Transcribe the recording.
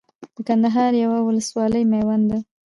د کندهار يوه ولسوالي ميوند ده